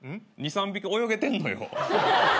２３匹泳げてんのよ。